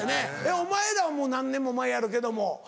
お前らはもう何年も前やろうけども次課長。